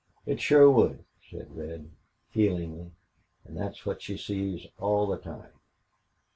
"It shore would," said Red, feelingly. "An' thet's what she sees all the time."